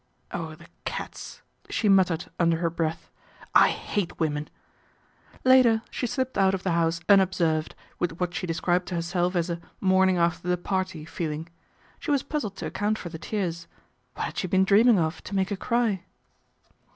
" Oh, the cats !" she muttered under her breath. " I hate women !" Later she slipped out of the house unobserved, with what she described to herself as a " morning after the party " feeling. She was puzzled to account for the tears. What had she been dreaming of to make her cry